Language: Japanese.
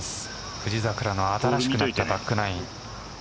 富士桜の新しいバックナイン。